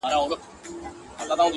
خو دده زامي له يخه څخه رېږدي،